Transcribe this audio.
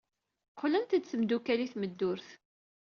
Qqlent d tmeddukal i tmeddurt.